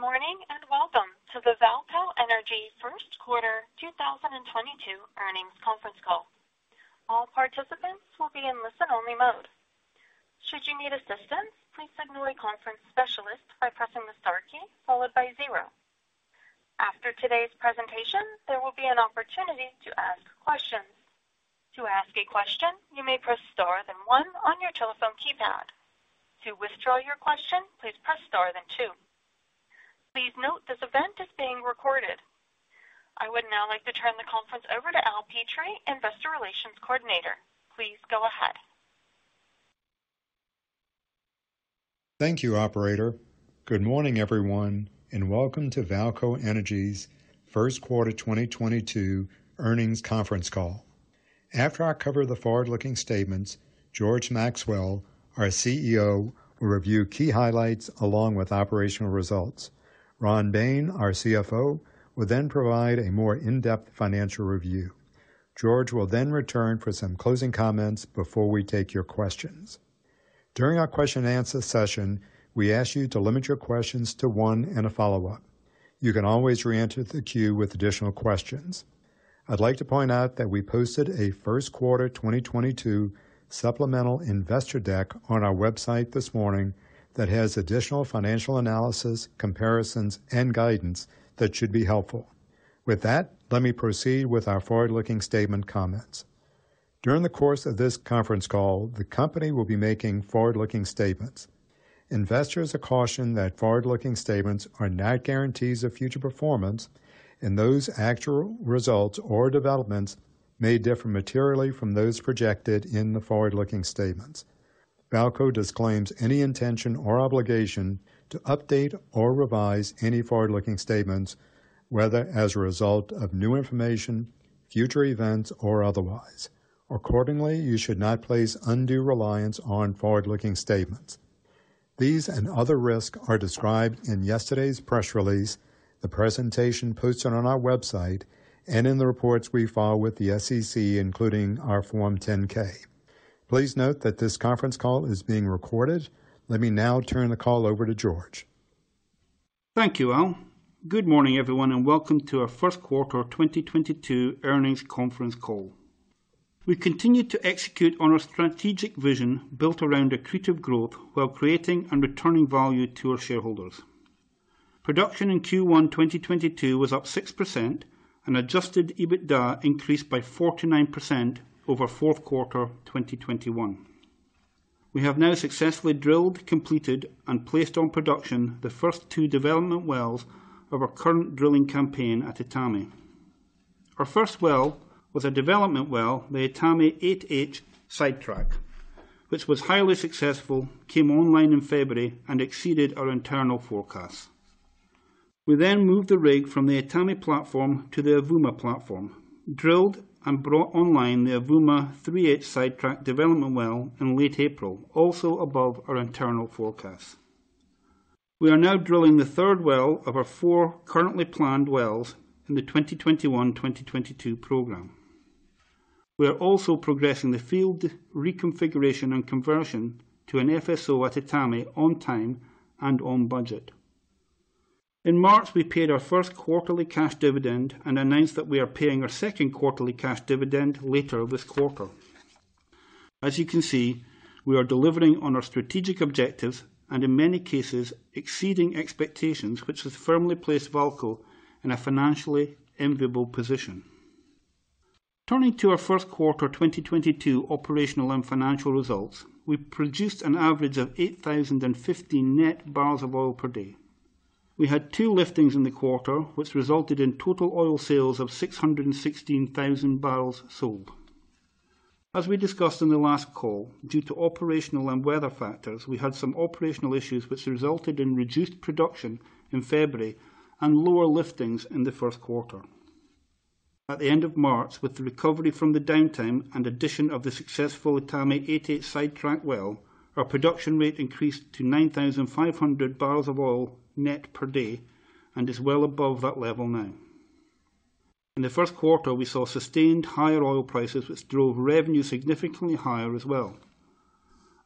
Good morning, and welcome to the VAALCO Energy first quarter 2022 earnings conference call. All participants will be in listen-only mode. Should you need assistance, please signal a conference specialist by pressing the star key followed by zero. After today's presentation, there will be an opportunity to ask questions. To ask a question, you may press star then one on your telephone keypad. To withdraw your question, please press star then two. Please note this event is being recorded. I would now like to turn the conference over to Al Petrie, Investor Relations Coordinator. Please go ahead. Thank you, Operator. Good morning, everyone, and welcome to VAALCO Energy's First Quarter 2022 earnings conference call. After I cover the forward-looking statements, George Maxwell, our CEO, will review key highlights along with operational results. Ronald Bain, our CFO, will then provide a more in-depth financial review. George will then return for some closing comments before we take your questions. During our question and answer session, we ask you to limit your questions to one and a follow-up. You can always re-enter the queue with additional questions. I'd like to point out that we posted a first quarter 2022 supplemental investor deck on our website this morning that has additional financial analysis, comparisons, and guidance that should be helpful. With that, let me proceed with our forward-looking statement comments. During the course of this conference call, the company will be making forward-looking statements. Investors are cautioned that forward-looking statements are not guarantees of future performance and those actual results or developments may differ materially from those projected in the forward-looking statements. VAALCO disclaims any intention or obligation to update or revise any forward-looking statements, whether as a result of new information, future events, or otherwise. Accordingly, you should not place undue reliance on forward-looking statements. These and other risks are described in yesterday's press release, the presentation posted on our website, and in the reports we file with the SEC, including our Form 10-K. Please note that this conference call is being recorded. Let me now turn the call over to George. Thank you, Al. Good morning, everyone, and welcome to our first quarter 2022 earnings conference call. We continue to execute on our strategic vision built around accretive growth while creating and returning value to our shareholders. Production in Q1 2022 was up 6% and Adjusted EBITDA increased by 49% over fourth quarter 2021. We have now successfully drilled, completed, and placed on production the first two development wells of our current drilling campaign at Etame. Our first well was a development well, the Etame 8H-ST, which was highly successful, came online in February and exceeded our internal forecasts. We moved the rig from the Etame platform to the Avouma platform, drilled and brought online the Avouma 3H-ST development well in late April, also above our internal forecasts. We are now drilling the third well of our four currently planned wells in the 2021-2022 program. We are also progressing the field reconfiguration and conversion to an FSO at Etame on time and on budget. In March, we paid our first quarterly cash dividend and announced that we are paying our second quarterly cash dividend later this quarter. As you can see, we are delivering on our strategic objectives and in many cases exceeding expectations, which has firmly placed VAALCO in a financially enviable position. Turning to our first quarter 2022 operational and financial results, we produced an average of 8,015 net bpd. We had two liftings in the quarter, which resulted in total oil sales of 616,000 bbl sold. As we discussed on the last call, due to operational and weather factors, we had some operational issues which resulted in reduced production in February and lower liftings in the first quarter. At the end of March, with the recovery from the downtime and addition of the successful Etame 8H-ST well, our production rate increased to 9,500 bpd and is well above that level now. In the first quarter, we saw sustained higher oil prices, which drove revenue significantly higher as well.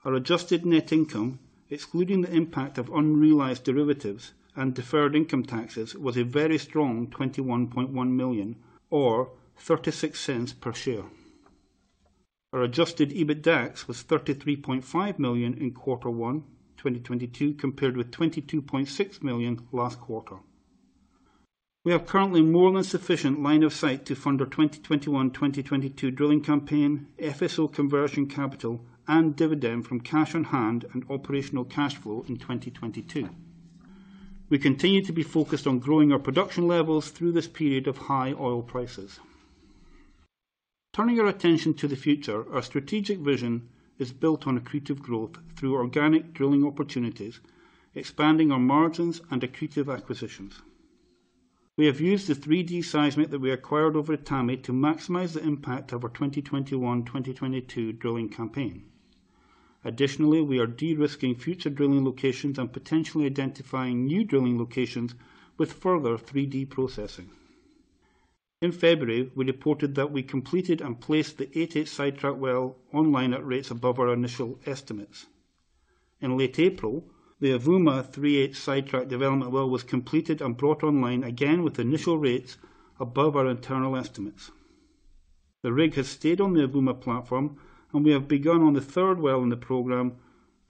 Our Adjusted net income, excluding the impact of unrealized derivatives and deferred income taxes, was a very strong $21.1 million or $0.36/share. Our Adjusted EBITDAX was $33.5 million in Q1 2022 compared with $22.6 million last quarter. We have currently more than sufficient line of sight to fund our 2021, 2022 drilling campaign, FSO conversion capital and dividend from cash on hand and operational cash flow in 2022. We continue to be focused on growing our production levels through this period of high oil prices. Turning our attention to the future, our strategic vision is built on accretive growth through organic drilling opportunities, expanding our margins and accretive acquisitions. We have used the 3D seismic that we acquired over Etame to maximize the impact of our 2021, 2022 drilling campaign. Additionally, we are de-risking future drilling locations and potentially identifying new drilling locations with further 3D processing. In February, we reported that we completed and placed the Etame 8H-ST well online at rates above our initial estimates. In late April, the Avouma 3H-ST development well was completed and brought online again with initial rates above our internal estimates. The rig has stayed on the Avouma platform, and we have begun on the third well in the program,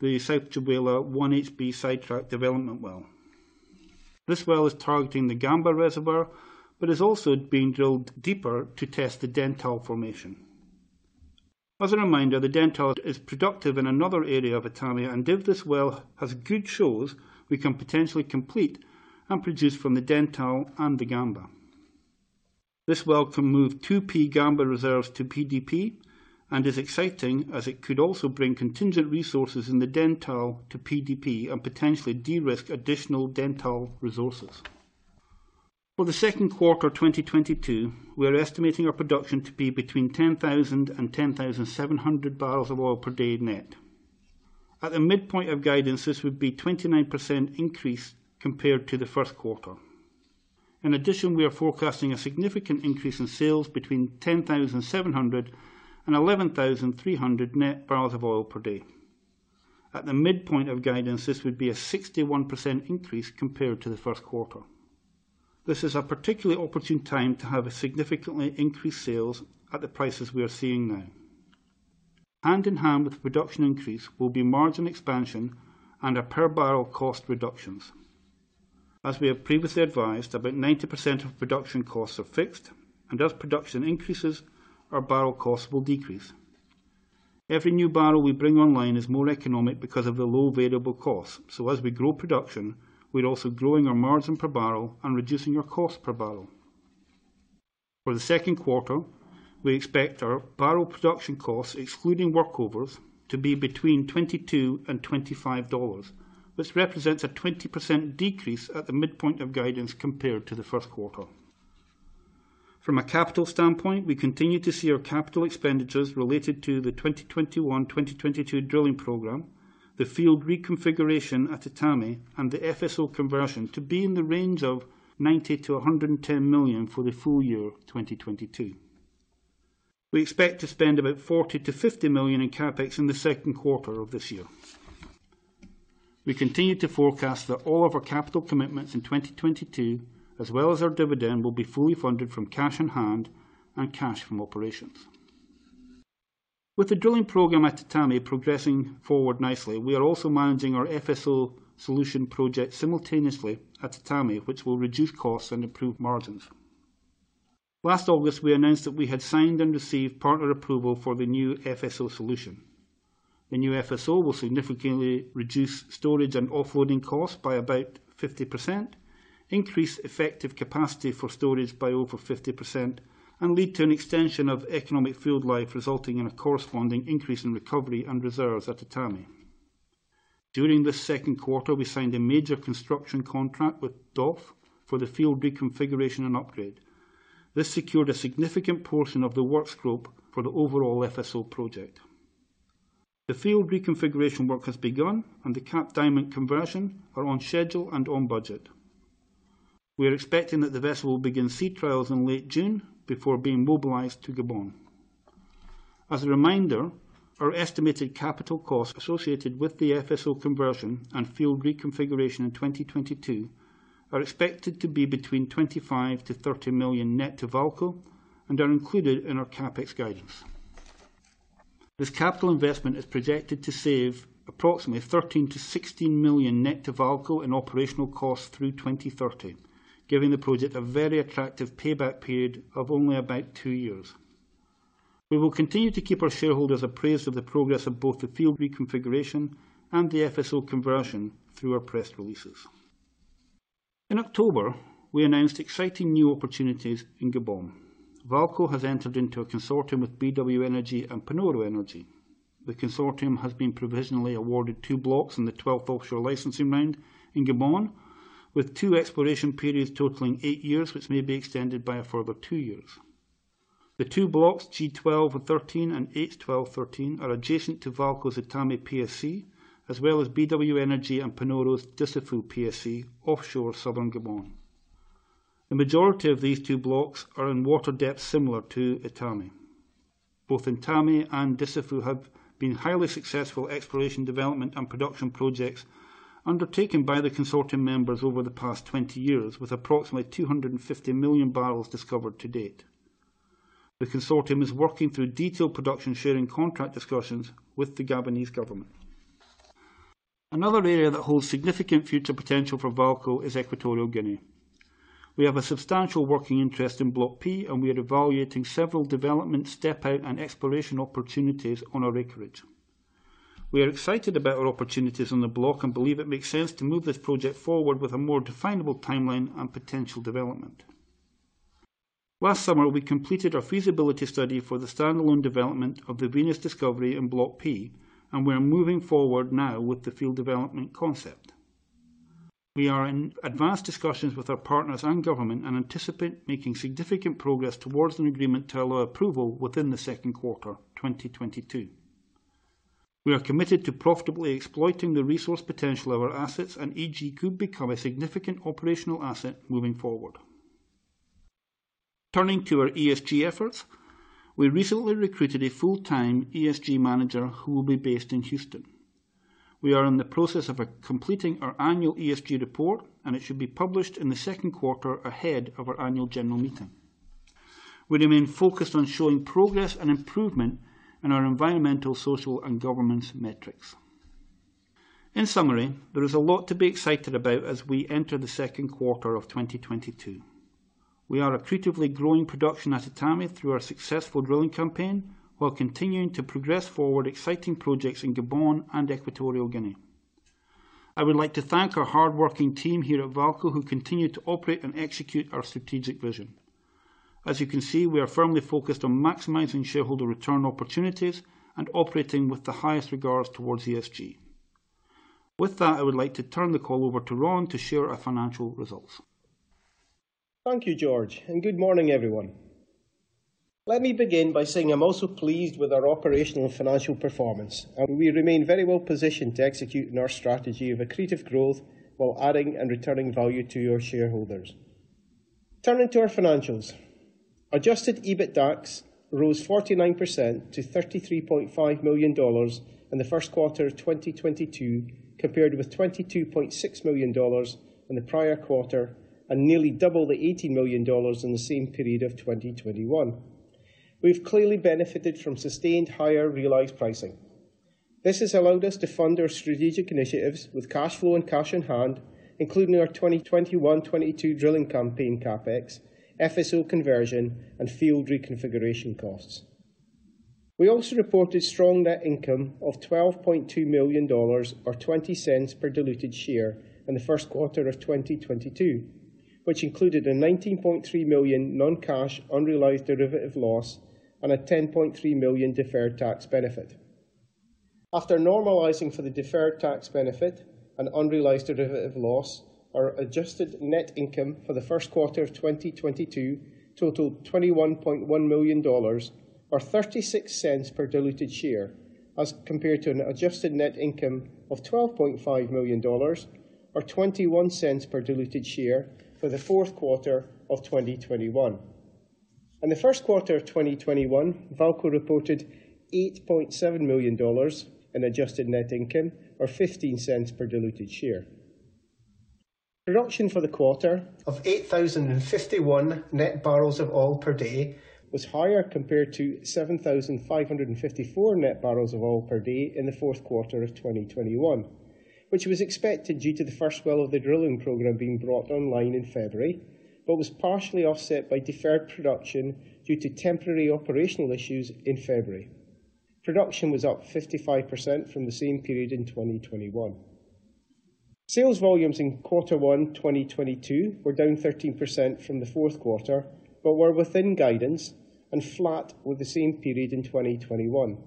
the South Tchibala 1HB-ST development well. This well is targeting the Gamba reservoir, but is also being drilled deeper to test the Dentale formation. As a reminder, the Dentale is productive in another area of Etame, and if this well has good shows, we can potentially complete and produce from the Dentale and the Gamba. This well can move 2P Gamba reserves to PDP and is exciting as it could also bring contingent resources in the Dentale to PDP and potentially de-risk additional Dentale resources. For the second quarter 2022, we are estimating our production to be between 10,000 bpd and 10,700 bpd net. At the midpoint of guidance, this would be 29% increase compared to the first quarter. In addition, we are forecasting a significant increase in sales between 10,700 bpd and 11,300 bpd. At the midpoint of guidance, this would be a 61% increase compared to the first quarter. This is a particularly opportune time to have a significantly increased sales at the prices we are seeing now. Hand in hand with the production increase will be margin expansion and a per barrel cost reductions. As we have previously advised, about 90% of production costs are fixed, and as production increases, our barrel costs will decrease. Every new barrel we bring online is more economic because of the low variable costs. As we grow production, we're also growing our margin per barrel and reducing our cost per barrel. For the second quarter, we expect our barrel production costs, excluding workovers, to be between $22 and $25, which represents a 20% decrease at the midpoint of guidance compared to the first quarter. From a capital standpoint, we continue to see our capital expenditures related to the 2021, 2022 drilling program, the field reconfiguration at Etame, and the FSO conversion to be in the range of $90 million-$110 million for the full year 2022. We expect to spend about $40 million-$50 million in CapEx in the second quarter of this year. We continue to forecast that all of our capital commitments in 2022, as well as our dividend, will be fully funded from cash on hand and cash from operations. With the drilling program at Etame progressing forward nicely, we are also managing our FSO solution project simultaneously at Etame, which will reduce costs and improve margins. Last August, we announced that we had signed and received partner approval for the new FSO solution. The new FSO will significantly reduce storage and offloading costs by about 50%, increase effective capacity for storage by over 50%, and lead to an extension of economic field life, resulting in a corresponding increase in recovery and reserves at Etame. During the second quarter, we signed a major construction contract with DOF for the field reconfiguration and upgrade. This secured a significant portion of the work scope for the overall FSO project. The field reconfiguration work has begun and the Cap Diamant conversion are on schedule and on budget. We are expecting that the vessel will begin sea trials in late June before being mobilized to Gabon. As a reminder, our estimated capital costs associated with the FSO conversion and field reconfiguration in 2022 are expected to be between $25 million-$30 million net to VAALCO and are included in our CapEx guidance. This capital investment is projected to save approximately $13 million-$16 million net to VAALCO in operational costs through 2030, giving the project a very attractive payback period of only about two years. We will continue to keep our shareholders appraised of the progress of both the field reconfiguration and the FSO conversion through our press releases. In October, we announced exciting new opportunities in Gabon. VAALCO has entered into a consortium with BW Energy and Panoro Energy. The consortium has been provisionally awarded two blocks in the 12th Offshore Licensing Round in Gabon with two exploration periods totaling eight years, which may be extended by a further two years. The two blocks, G12-13 and H12-13, are adjacent to VAALCO's Etame PSC, as well as BW Energy and Panoro's Dussafu PSC offshore southern Gabon. The majority of these two blocks are in water depth similar to Etame. Both Etame and Dussafu have been highly successful exploration, development, and production projects undertaken by the consortium members over the past 20 years with approximately 250 million bbl discovered to date. The consortium is working through detailed production sharing contract discussions with the Gabonese government. Another area that holds significant future potential for VAALCO is Equatorial Guinea. We have a substantial working interest in Block P, and we are evaluating several development step out and exploration opportunities on our acreage. We are excited about our opportunities on the block and believe it makes sense to move this project forward with a more definable timeline and potential development. Last summer, we completed our feasibility study for the standalone development of the Venus discovery in Block P, and we are moving forward now with the field development concept. We are in advanced discussions with our partners and government and anticipate making significant progress towards an agreement to allow approval within the second quarter 2022. We are committed to profitably exploiting the resource potential of our assets, and EG could become a significant operational asset moving forward. Turning to our ESG efforts, we recently recruited a full-time ESG manager who will be based in Houston. We are in the process of completing our annual ESG report, and it should be published in the second quarter ahead of our Annual General Meeting. We remain focused on showing progress and improvement in our environmental, social, and governance metrics. In summary, there is a lot to be excited about as we enter the second quarter of 2022. We are accretively growing production at Etame through our successful drilling campaign while continuing to progress forward exciting projects in Gabon and Equatorial Guinea. I would like to thank our hardworking team here at VAALCO who continue to operate and execute our strategic vision. As you can see, we are firmly focused on maximizing shareholder return opportunities and operating with the highest regards towards ESG. With that, I would like to turn the call over to Ron to share our financial results. Thank you, George, and good morning, everyone. Let me begin by saying I'm also pleased with our operational and financial performance, and we remain very well positioned to execute on our strategy of accretive growth while adding and returning value to your shareholders. Turning to our financials. Adjusted EBITDAX rose 49% to $33.5 million in the first quarter of 2022, compared with $22.6 million in the prior quarter and nearly double the $18 million in the same period of 2021. We've clearly benefited from sustained higher realized pricing. This has allowed us to fund our strategic initiatives with cash flow and cash on hand, including our 2021-2022 drilling campaign CapEx, FSO conversion, and field reconfiguration costs. We reported strong net income of $12.2 million or $0.20/diluted share in the first quarter of 2022, which included a $19.3 million non-cash unrealized derivative loss and a $10.3 million deferred tax benefit. After normalizing for the deferred tax benefit and unrealized derivative loss, our Adjusted net income for the first quarter of 2022 totaled $21.1 million or $0.36/diluted share as compared to an Adjusted net income of $12.5 million or $0.21/diluted share for the fourth quarter of 2021. In the first quarter of 2021, VAALCO reported $8.7 million in Adjusted net income or $0.15/diluted share. Production for the quarter of 8,051 bpd was higher compared to 7,554 bpd in the fourth quarter of 2021, which was expected due to the first well of the drilling program being brought online in February, but was partially offset by deferred production due to temporary operational issues in February. Production was up 55% from the same period in 2021. Sales volumes in Q1 2022 were down 13% from the fourth quarter, but were within guidance and flat with the same period in 2021.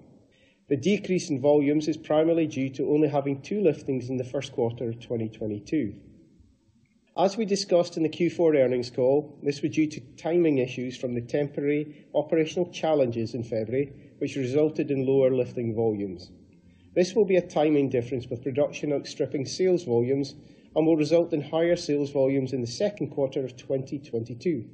The decrease in volumes is primarily due to only having two liftings in the first quarter of 2022. As we discussed in the Q4 earnings call, this was due to timing issues from the temporary operational challenges in February, which resulted in lower lifting volumes. This will be a timing difference with production outstripping sales volumes and will result in higher sales volumes in the second quarter of 2022,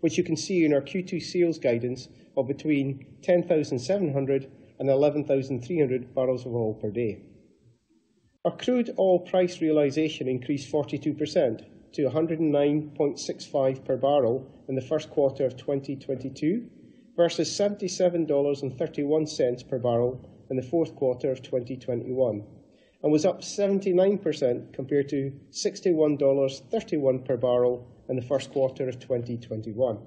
which you can see in our Q2 sales guidance of between 10,700 bpd and 11,300 bpd. Our crude oil price realization increased 42% to $109.65/bbl in the first quarter of 2022 versus $77.31/bbl in the fourth quarter of 2021 and was up 79% compared to $61.31/bbl in the first quarter of 2021.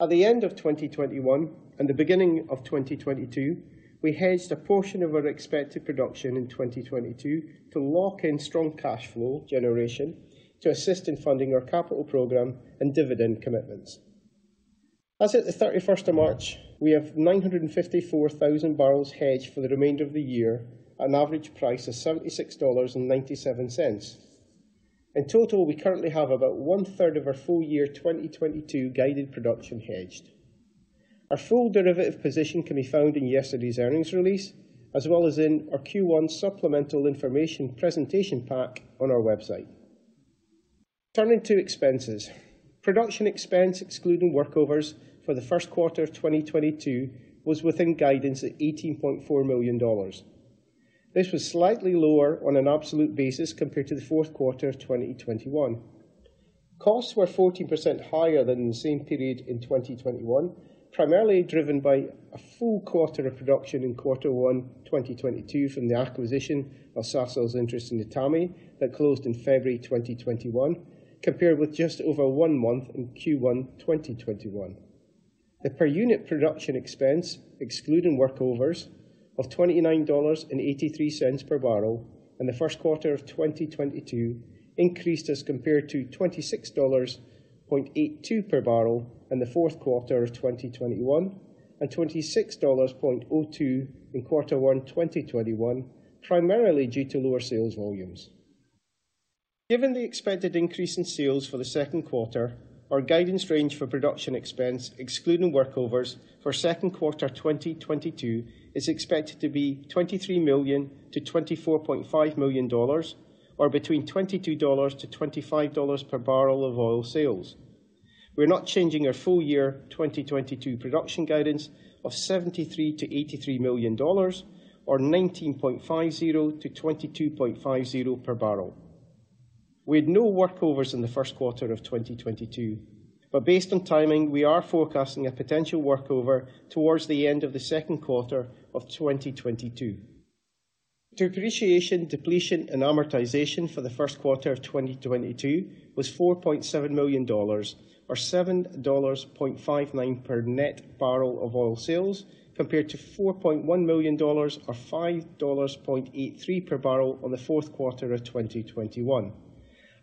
At the end of 2021 and the beginning of 2022, we hedged a portion of our expected production in 2022 to lock in strong cash flow generation to assist in funding our capital program and dividend commitments. As at March 31, we have 954,000 bbl hedged for the remainder of the year at an average price of $76.97. In total, we currently have about 1/3 of our full year 2022 guided production hedged. Our full derivative position can be found in yesterday's earnings release, as well as in our Q1 supplemental information presentation pack on our website. Turning to expenses. Production expense excluding workovers for the first quarter of 2022 was within guidance at $18.4 million. This was slightly lower on an absolute basis compared to the fourth quarter of 2021. Costs were 14% higher than the same period in 2021, primarily driven by a full quarter of production in Q1 2022 from the acquisition of Sasol's interest in Etame that closed in February 2021, compared with just over one month in Q1 2021. The per unit production expense, excluding workovers, of $29.83/bbl in the first quarter of 2022 increased as compared to $26.82/bbl in the fourth quarter of 2021 and $26.02 in Q1 2021, primarily due to lower sales volumes. Given the expected increase in sales for the second quarter, our guidance range for production expense, excluding workovers for Q2 2022, is expected to be $23 million-$24.5 million or between $22-$25/bbl of oil sales. We're not changing our full year 2022 production guidance of $73 million-$83 million or $19.50-$22.50/bbl. We had no workovers in the first quarter of 2022, but based on timing, we are forecasting a potential workover towards the end of the second quarter of 2022. Depreciation, depletion, and amortization for the first quarter of 2022 was $4.7 million or $7.59 bpd sales, compared to $4.1 million or $5.83/bbl on the fourth quarter of 2021,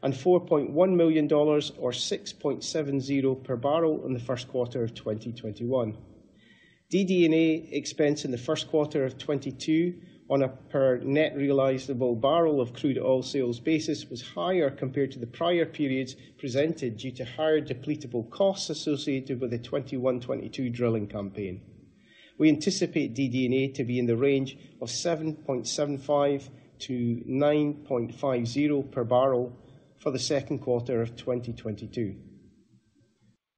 and $4.1 million or $6.70/bbl in the first quarter of 2021. DD&A expense in the first quarter of 2022 on a per net realizable barrel of crude oil sales basis was higher compared to the prior periods presented due to higher depletable costs associated with the 2021-2022 drilling campaign. We anticipate DD&A to be in the range of $7.75-$9.50/bbl for the second quarter of 2022.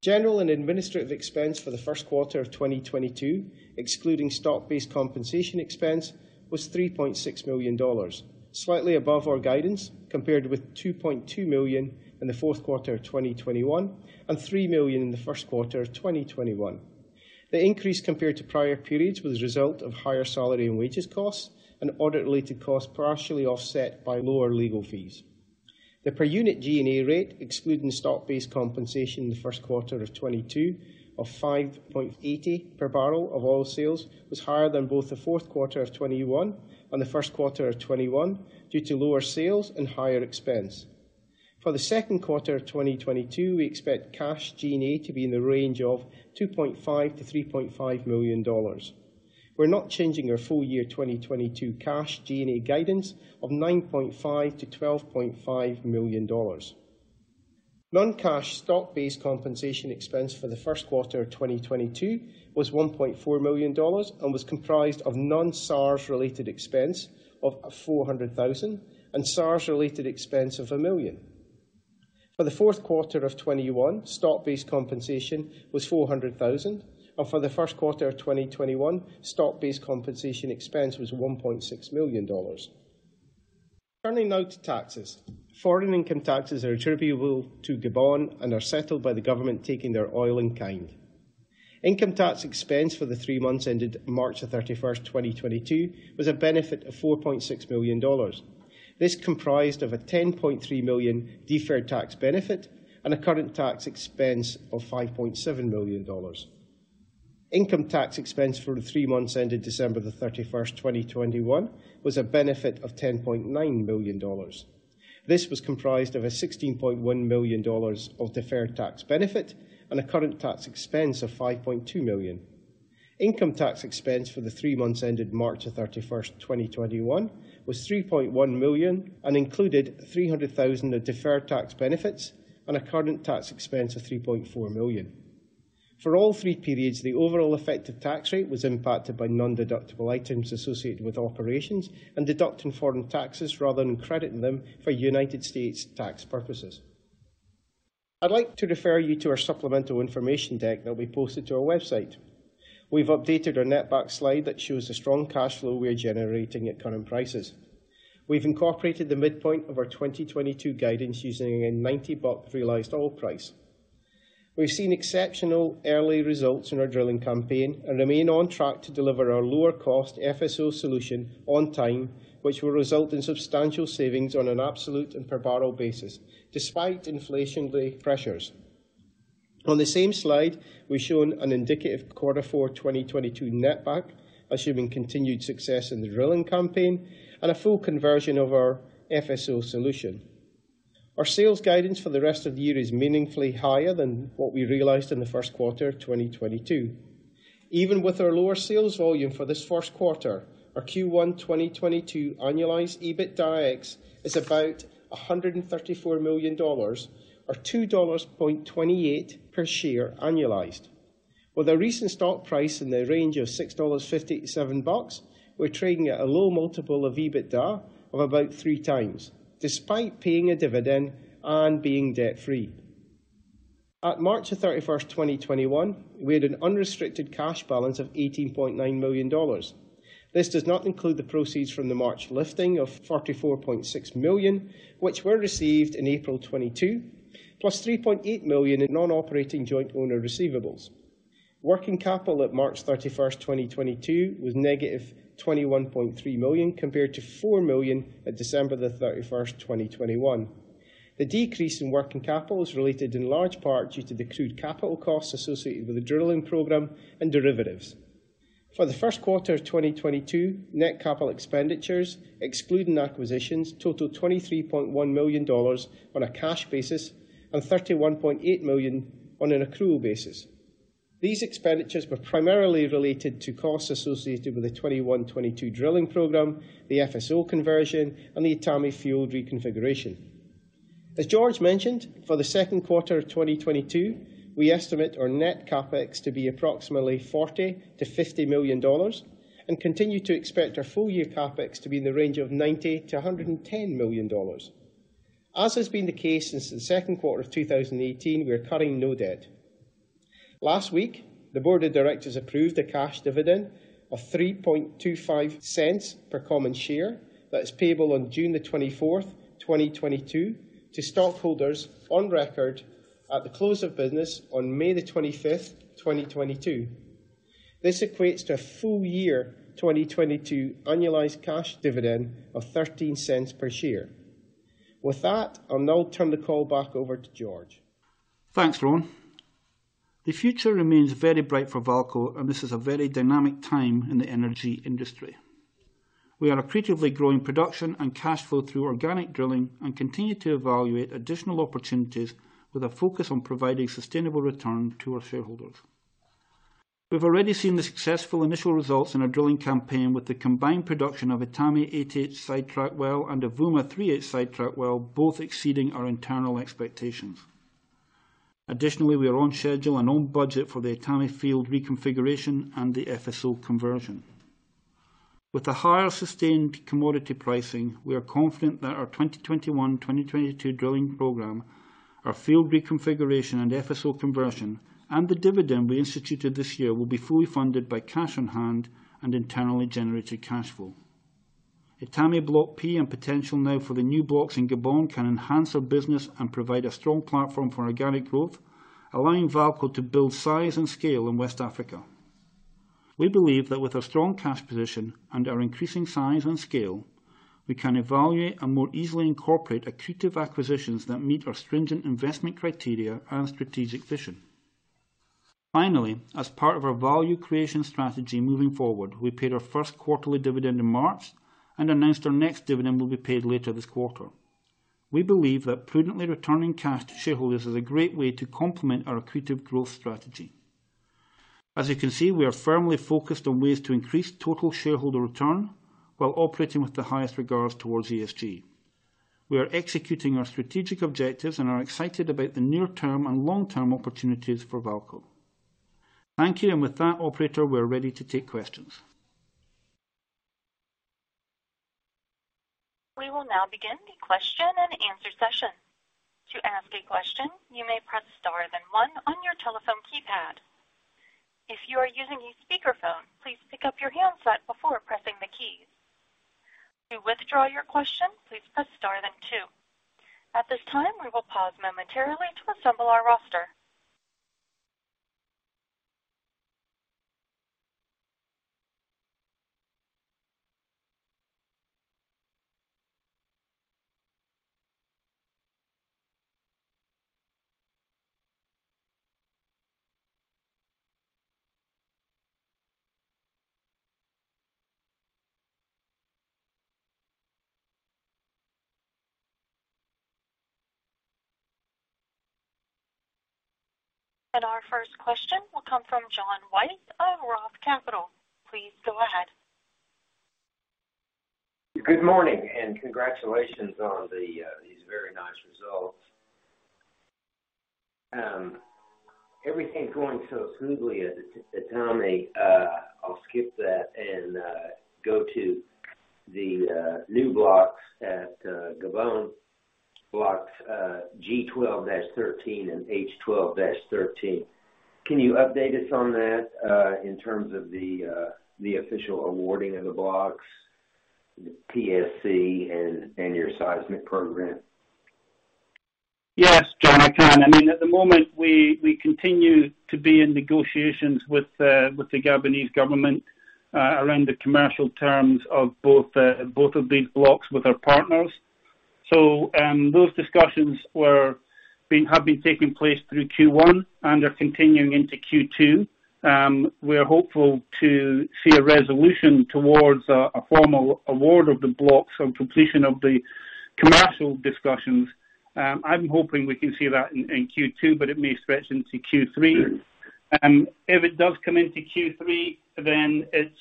General and Administrative expense for the first quarter of 2022, excluding stock-based compensation expense, was $3.6 million, slightly above our guidance, compared with $2.2 million in the fourth quarter of 2021 and $3 million in the first quarter of 2021. The increase compared to prior periods was a result of higher salary and wages costs and audit-related costs, partially offset by lower legal fees. The per unit G&A rate, excluding stock-based compensation in the first quarter of 2022 of $5.80/bbl of oil sales, was higher than both the fourth quarter of 2021 and the first quarter of 2021 due to lower sales and higher expense. For the second quarter of 2022, we expect cash G&A to be in the range of $2.5 million-$3.5 million. We're not changing our full year 2022 cash G&A guidance of $9.5 million-$12.5 million. Non-cash stock-based compensation expense for the first quarter of 2022 was $1.4 million and was comprised of non-SARS related expense of $400,000 and SARS-related expense of $1 million. For the fourth quarter of 2021, stock-based compensation was $400,000, and for the first quarter of 2021, stock-based compensation expense was $1.6 million. Turning now to taxes. Foreign income taxes are attributable to Gabon and are settled by the government taking their oil in kind. Income tax expense for the three months ended March 31, 2022 was a benefit of $4.6 million. This comprised of a $10.3 million deferred tax benefit and a current tax expense of $5.7 million. Income tax expense for the three months ended December 31, 2021 was a benefit of $10.9 million. This was comprised of a $16.1 million of deferred tax benefit and a current tax expense of $5.2 million. Income tax expense for the three months ended March 31, 2021 was $3.1 million and included $300,000 of deferred tax benefits and a current tax expense of $3.4 million. For all three periods, the overall effective tax rate was impacted by nondeductible items associated with operations and deducting foreign taxes rather than crediting them for United States tax purposes. I'd like to refer you to our supplemental information deck that we posted to our website. We've updated our netback slide that shows the strong cash flow we are generating at current prices. We've incorporated the midpoint of our 2022 guidance using a $90 realized oil price. We've seen exceptional early results in our drilling campaign and remain on track to deliver our lower cost FSO solution on time, which will result in substantial savings on an absolute and per barrel basis despite inflationary pressures. On the same slide, we've shown an indicative Q4 2022 net back, assuming continued success in the drilling campaign and a full conversion of our FSO solution. Our sales guidance for the rest of the year is meaningfully higher than what we realized in the first quarter of 2022. Even with our lower sales volume for this first quarter, our Q1 2022 annualized EBITDAX is about $134 million or $2.28/share annualized. With the recent stock price in the range of $6.50-$7, we're trading at a low multiple of EBITDA of about 3x despite paying a dividend and being debt-free. At March 31, 2021, we had an unrestricted cash balance of $18.9 million. This does not include the proceeds from the March lifting of $44.6 million, which were received in April 2022, plus $3.8 million in non-operating joint owner receivables. Working capital at March 31, 2022 was -$21.3 million, compared to $4 million at December 31, 2021. The decrease in working capital is related in large part due to the accrued capital costs associated with the drilling program and derivatives. For the first quarter of 2022, net capital expenditures, excluding acquisitions, totaled $23.1 million on a cash basis and $31.8 million on an accrual basis. These expenditures were primarily related to costs associated with the 2021-2022 drilling program, the FSO conversion, and the Etame field reconfiguration. As George mentioned, for the second quarter of 2022, we estimate our net CapEx to be approximately $40 million-$50 million and continue to expect our full-year CapEx to be in the range of $90 million-$110 million. As has been the case since the second quarter of 2018, we are cutting no debt. Last week, the board of directors approved a cash dividend of $0.0325 per common share that is payable on June 24, 2022 to stockholders on record at the close of business on May 25, 2022. This equates to a full year 2022 annualized cash dividend of $0.13 per share. With that, I'll now turn the call back over to George. Thanks, Ron. The future remains very bright for VAALCO, and this is a very dynamic time in the energy industry. We are accretively growing production and cash flow through organic drilling and continue to evaluate additional opportunities with a focus on providing sustainable return to our shareholders. We've already seen the successful initial results in our drilling campaign with the combined production of Etame 8H-ST well and the Avouma 3H-ST well, both exceeding our internal expectations. Additionally, we are on schedule and on budget for the Etame field reconfiguration and the FSO conversion. With a higher sustained commodity pricing, we are confident that our 2021/2022 drilling program, our field reconfiguration and FSO conversion, and the dividend we instituted this year will be fully funded by cash on hand and internally generated cash flow. Etame, Block P and potential now for the new blocks in Gabon can enhance our business and provide a strong platform for organic growth, allowing VAALCO to build size and scale in West Africa. We believe that with our strong cash position and our increasing size and scale, we can evaluate and more easily incorporate accretive acquisitions that meet our stringent investment criteria and strategic vision. Finally, as part of our value creation strategy moving forward, we paid our first quarterly dividend in March and announced our next dividend will be paid later this quarter. We believe that prudently returning cash to shareholders is a great way to complement our accretive growth strategy. As you can see, we are firmly focused on ways to increase total shareholder return while operating with the highest regards towards ESG. We are executing our strategic objectives and are excited about the near-term and long-term opportunities for VAALCO. Thank you. With that Operator, we're ready to take questions. We will now begin the question and answer session. To ask a question, you may press star then one on your telephone keypad. If you are using a speakerphone, please pick up your handset before pressing the keys. To withdraw your question, please press star then two. At this time, we will pause momentarily to assemble our roster. Our first question will come from John White of Roth Capital Partners. Please go ahead. Good morning, and congratulations on these very nice results. Everything going so smoothly at Etame. I'll skip that and go to the new blocks at Gabon blocks, G12-13 and H12-13. Can you update us on that, in terms of the official awarding of the blocks, the PSC and your seismic program? Yes, John, I can. I mean, at the moment, we continue to be in negotiations with the Gabonese government around the commercial terms of both of these blocks with our partners. Those discussions have been taking place through Q1 and are continuing into Q2. We're hopeful to see a resolution towards a formal award of the blocks on completion of the commercial discussions. I'm hoping we can see that in Q2, but it may stretch into Q3. If it does come into Q3, then it's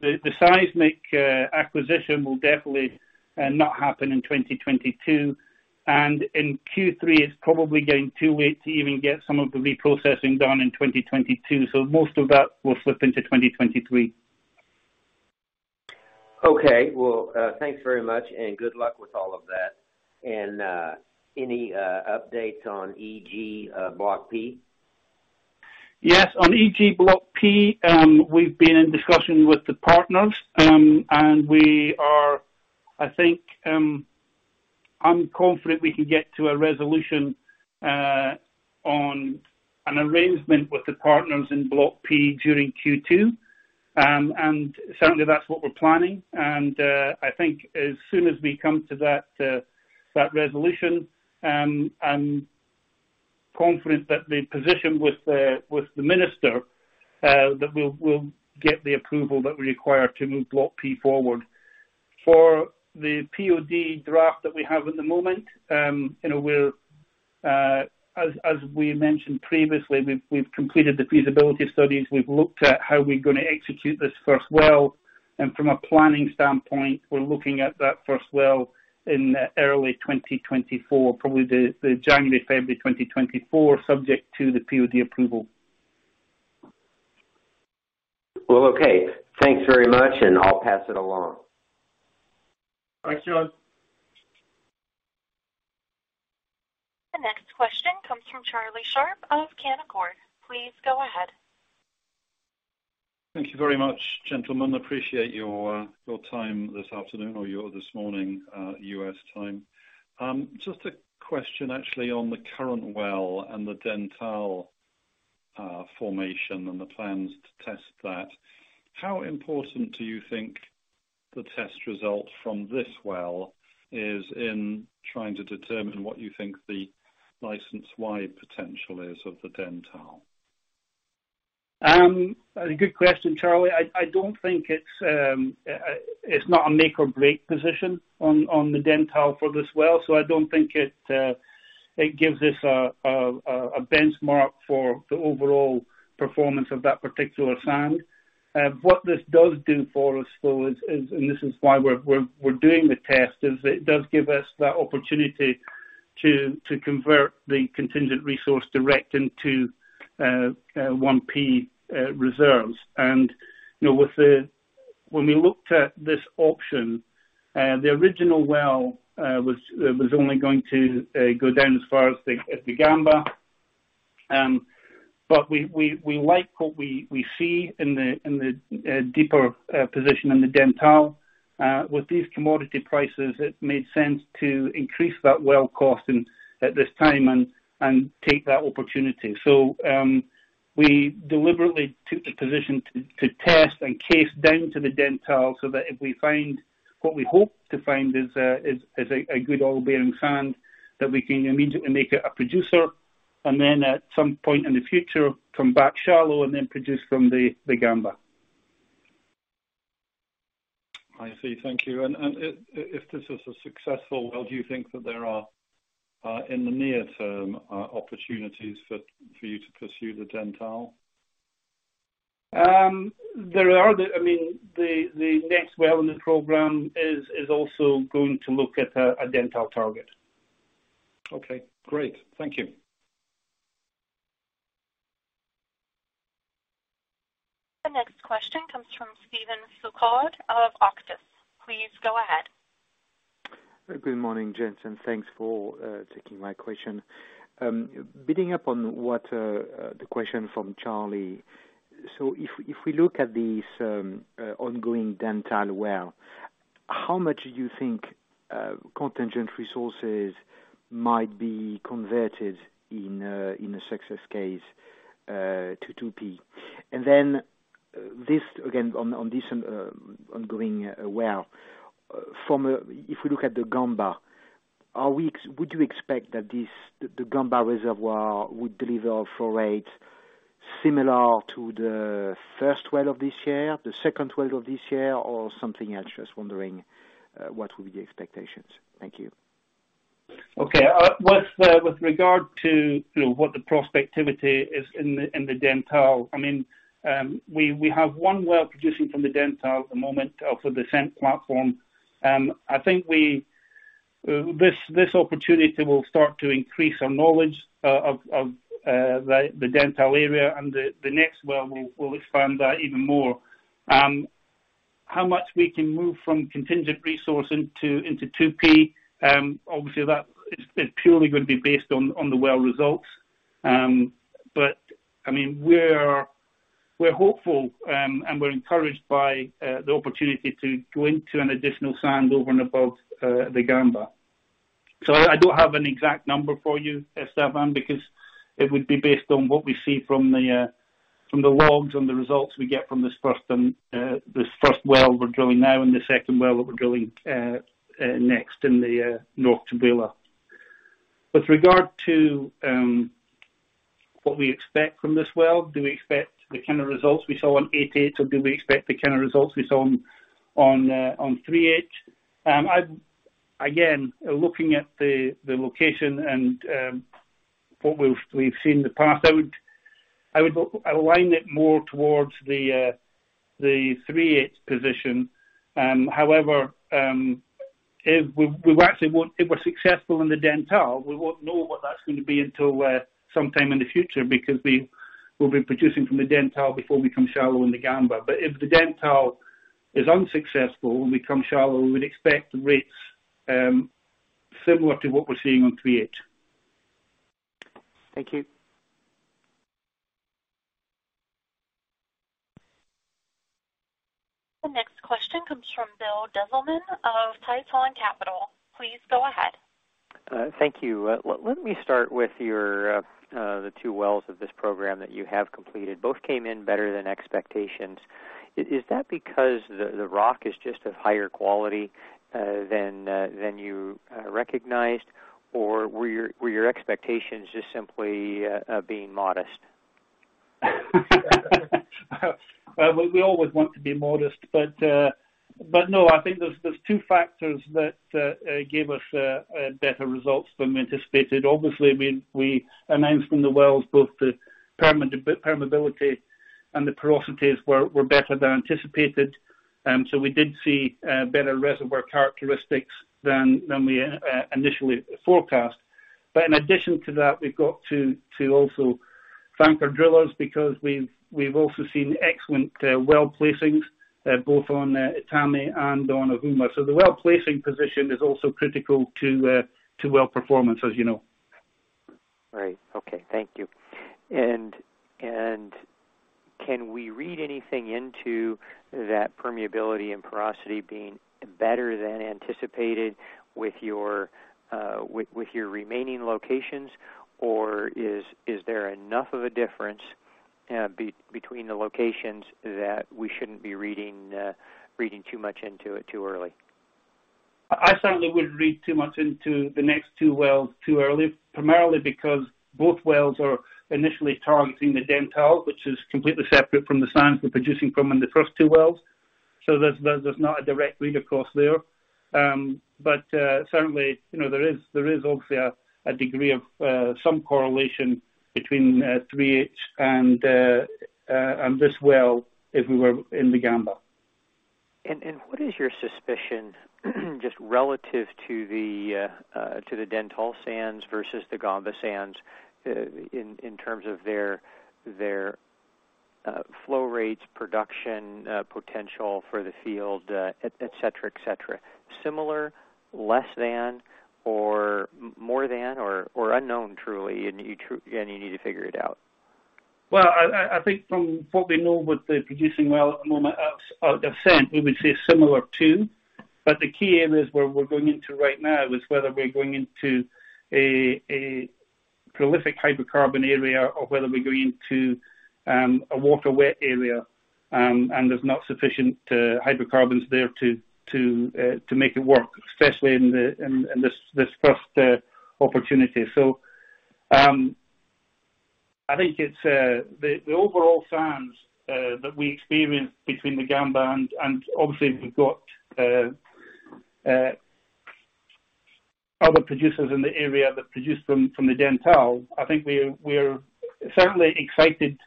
the seismic acquisition will definitely not happen in 2022, and in Q3, it's probably getting too late to even get some of the reprocessing done in 2022. Most of that will slip into 2023. Okay. Well, thanks very much and good luck with all of that. Any updates on EG Block P? Yes. On EG Block P, we've been in discussion with the partners, and I think I'm confident we can get to a resolution on an arrangement with the partners in Block P during Q2. Certainly that's what we're planning. I think as soon as we come to that resolution, I'm confident that the position with the minister that we'll get the approval that we require to move Block P forward. For the POD draft that we have at the moment, you know, as we mentioned previously, we've completed the feasibility studies. We've looked at how we're gonna execute this first well. From a planning standpoint, we're looking at that first well in early 2024, probably the January, February 2024, subject to the POD approval. Well, okay. Thanks very much, and I'll pass it along. Thanks, John. The next question comes from Charlie Sharp of Canaccord. Please go ahead. Thank you very much, gentlemen. Appreciate your time this afternoon or this morning, U.S. time. Just a question actually on the current well and the Dentale formation and the plans to test that. How important do you think the test results from this well is in trying to determine what you think the license-wide potential is of the Dentale? A good question, Charlie. I don't think it's a make or break position on the Dentale for this well, so I don't think it gives us a benchmark for the overall performance of that particular sand. What this does do for us though is, and this is why we're doing the test, is it does give us that opportunity to convert the contingent resource direct into 1P reserves. You know, when we looked at this option, the original well was only going to go down as far as the Gamba. We like what we see in the deeper position in the Dentale. With these commodity prices, it made sense to increase that well cost and at this time take that opportunity. We deliberately took the position to test and case down to the Dentale so that if we find what we hope to find is a good oil-bearing sand, that we can immediately make it a producer. Then at some point in the future, come back shallow and then produce from the Gamba. I see. Thank you. If this is a successful well, do you think that there are in the near term opportunities for you to pursue the Dentale? I mean, the next well in the program is also going to look at a Dentale target. Okay, great. Thank you. The next question comes from Stephane Foucaud of Auctus Advisors. Please go ahead. Good morning, gents, and thanks for taking my question. Building on the question from Charlie, if we look at this ongoing Dentale well. How much do you think contingent resources might be converted in a success case to 2P? This again, on this ongoing well, if we look at the Gamba, would you expect that this, the Gamba reservoir would deliver a flow rate similar to the first well of this year, the second well of this year or something else? Just wondering what would be the expectations. Thank you. With regard to, you know, what the prospectivity is in the Dentale, I mean, we have one well producing from the Dentale at the moment off of the SEENT platform. I think this opportunity will start to increase our knowledge of the Dentale area and the next well will expand that even more. How much we can move from contingent resource into 2P, obviously that is purely gonna be based on the well results. I mean, we're hopeful, and we're encouraged by the opportunity to go into an additional sand over and above the Gamba. I don't have an exact number for you, Stephane, because it would be based on what we see from the logs and the results we get from this first well we're drilling now and the second well that we're drilling next in the North Tchibala. With regard to what we expect from this well, do we expect the kind of results we saw on 8H-ST or do we expect the kind of results we saw on 3H-ST? I've again looking at the location and what we've seen in the past, I would align it more towards the 3H-ST position. However, if we're successful in the Dentale, we won't know what that's gonna be until sometime in the future because we will be producing from the Dentale before we come shallow in the Gamba. If the Dentale is unsuccessful when we come shallow, we would expect rates similar to what we're seeing on 3H-ST. Thank you. The next question comes from William Dezellem of Tieton Capital. Please go ahead. Thank you. Let me start with the two wells of this program that you have completed. Both came in better than expectations. Is that because the rock is just of higher quality than you recognized? Or were your expectations just simply being modest? We always want to be modest, but no, I think there's two factors that gave us better results than we anticipated. Obviously, we announced from the wells both the permeability and the porosities were better than anticipated. We did see better reservoir characteristics than we initially forecast. In addition to that, we've got to also thank our drillers because we've also seen excellent well placements both on Etame and on Avouma. The well placement position is also critical to well performance, as you know. Right. Okay. Thank you. Can we read anything into that permeability and porosity being better than anticipated with your remaining locations? Is there enough of a difference between the locations that we shouldn't be reading too much into it too early? I certainly wouldn't read too much into the next two wells too early, primarily because both wells are initially targeting the Dentale, which is completely separate from the sands we're producing from in the first two wells. There's not a direct read across there. Certainly, you know, there is obviously a degree of some correlation between 3H-ST and this well if we were in the Gamba. What is your suspicion just relative to the Dentale sands versus the Gamba sands in terms of their flow rates, production potential for the field, et cetera, et cetera? Similar, less than, or more than, or unknown, truly, and you need to figure it out? Well, I think from what we know with the producing well at the moment, out of SEENT, we would say similar too. The key areas where we're going into right now is whether we're going into a prolific hydrocarbon area or whether we're going into a water wet area, and there's not sufficient hydrocarbons there to make it work, especially in this first opportunity. I think it's the overall sands that we experience between the Gamba and obviously we've got other producers in the area that produce from the Dentale. I think we're certainly excited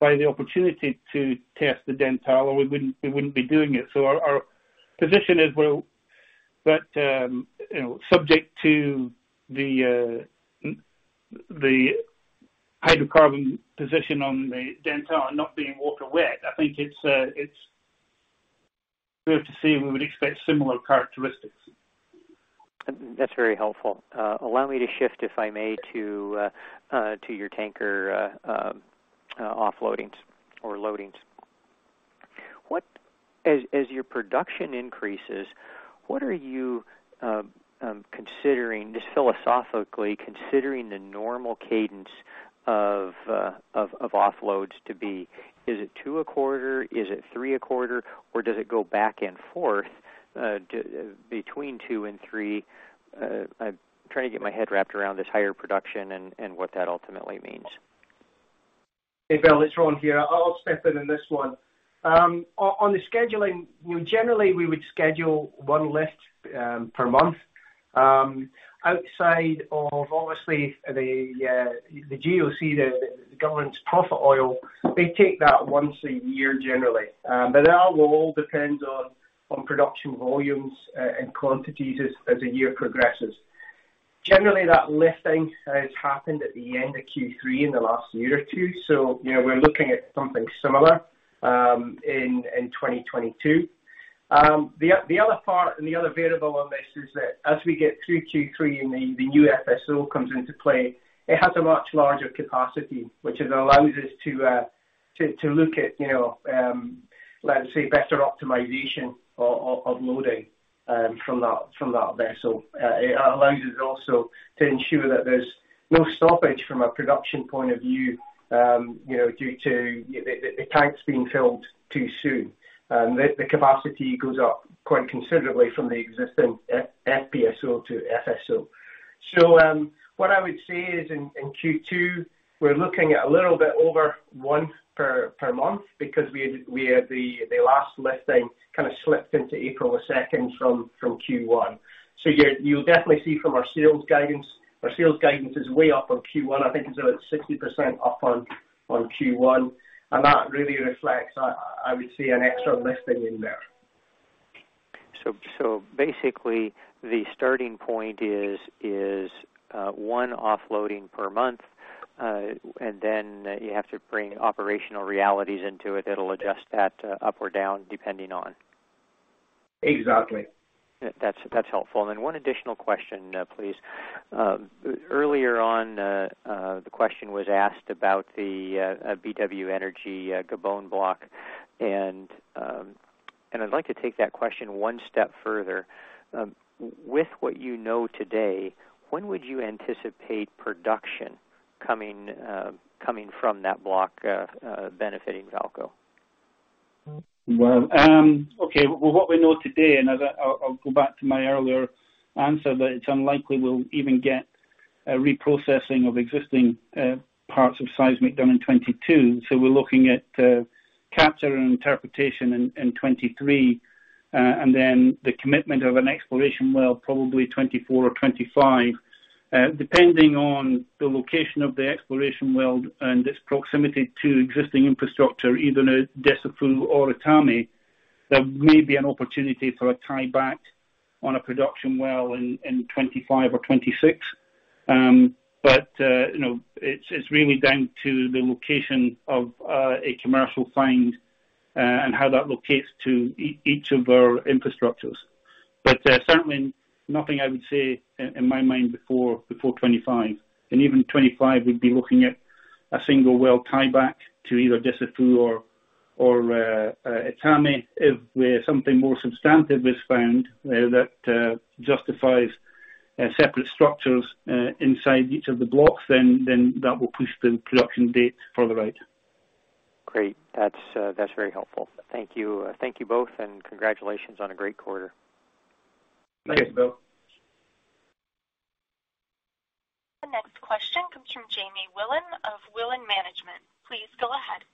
by the opportunity to test the Dentale, or we wouldn't be doing it. Our position is we're, you know, subject to the hydrocarbon position on the Dentale not being water wet, I think it's. We have to see, and we would expect similar characteristics. That's very helpful. Allow me to shift, if I may, to your tanker offloadings or loadings. As your production increases, what are you considering, just philosophically, considering the normal cadence of offloads to be? Is it two a quarter? Is it three a quarter? Or does it go back and forth between two and three? I'm trying to get my head wrapped around this higher production and what that ultimately means. Hey, Bill, it's Ron here. I'll step in on this one. On the scheduling, you know, generally, we would schedule one lift per month. Outside of, obviously, the GOC, the government's profit oil, they take that once a year generally. But that will all depend on production volumes and quantities as the year progresses. Generally, that lifting has happened at the end of Q3 in the last year or two. You know, we're looking at something similar in 2022. The other part and the other variable on this is that as we get through Q3 and the new FSO comes into play, it has a much larger capacity, which it allows us to look at, you know, let's say, better optimization of loading from that vessel. It allows us also to ensure that there's no stoppage from a production point of view, you know, due to the tanks being filled too soon. The capacity goes up quite considerably from the existing FPSO to FSO. What I would say is in Q2, we're looking at a little bit over once per month because we had the last lifting kind of slipped into April 2 from Q1. You'll definitely see from our sales guidance. Our sales guidance is way up on Q1. I think it's about 60% up on Q1. That really reflects, I would say, an extra lifting in there. Basically, the starting point is 1 offloading per month. You have to bring operational realities into it that'll adjust that up or down depending on? Exactly. That's helpful. One additional question, please. Earlier on, the question was asked about the BW Energy Gabon Block. I'd like to take that question one step further. With what you know today, when would you anticipate production coming from that block benefiting VAALCO? Well, okay. Well, what we know today, and as I'll go back to my earlier answer that it's unlikely we'll even get a reprocessing of existing parts of seismic done in 2022. We're looking at capture and interpretation in 2023, and then the commitment of an exploration well, probably 2024 or 2025. Depending on the location of the exploration well and its proximity to existing infrastructure, either Dussafu or Etame, there may be an opportunity for a tieback on a production well in 2025 or 2026. But you know, it's really down to the location of a commercial find, and how that locates to each of our infrastructures. Certainly nothing I would say in my mind before 2025, and even 2025, we'd be looking at a single well tieback to either Dussafu or Etame. If we have something more substantive is found that justifies separate structures inside each of the blocks, then that will push the production date further out. Great. That's very helpful. Thank you. Thank you both, and congratulations on a great quarter. Thanks, Bill. The next question comes from Jamie Wilen of Wilen Management. Please go ahead.